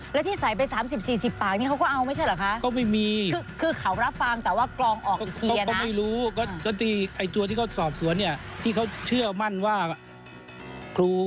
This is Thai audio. แล้วที่ใส่ไป๓๐๔๐ปากนี่เขาก็เอาไม่ใช่เหรอคะ